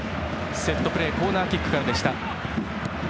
セットプレーコーナーキックからでした。